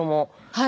はい。